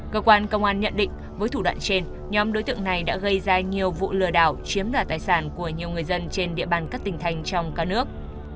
cơ quan công an nhận định với thủ đoạn trên nhóm đối tượng này đã gây ra nhiều vụ lừa đảo chiếm đoạt tài sản của nhiều người dân trên địa bàn các tỉnh thành trong cả nước